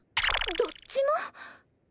どっちも？